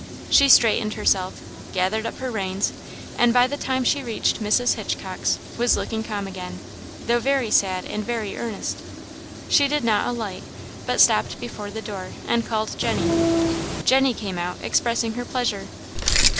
She straightened herself, gathered up her reins, and by the time she reached Mrs. Hitchcock's, was looking calm again, though very sad and very earnest. She did not alight, but stopped before the door, and called Jenny. Jenny came out, expressing her pleasure.